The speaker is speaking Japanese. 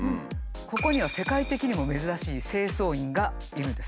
ここには世界的にも珍しい清掃員がいるんです。